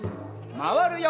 まわるよ！